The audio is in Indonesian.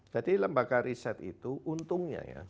jadi lembaga riset itu untungnya ya